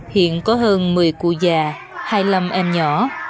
hiện có hơn một mươi cụ già hai mươi năm em nhỏ